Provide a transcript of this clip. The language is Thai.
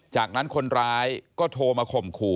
จากนั้นคนร้ายก็โทรมาข่มขู่